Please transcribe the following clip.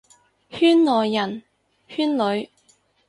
圈內人，圈裏，